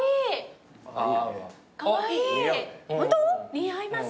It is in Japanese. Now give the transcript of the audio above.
似合います。